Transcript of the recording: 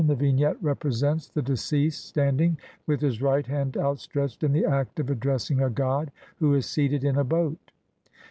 35) the vignette represents the deceased standing with his right hand outstretched in the act of address ing a god who is seated in a boat.